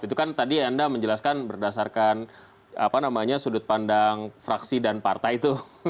itu kan tadi anda menjelaskan berdasarkan sudut pandang fraksi dan partai itu